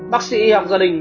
bác sĩ y học gia đình